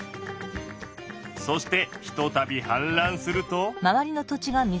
そしてひとたびはんらんすると。